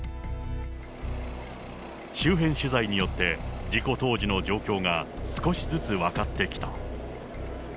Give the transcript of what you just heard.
周辺取材によって、事故当時の状況が少しずつ分かってきた。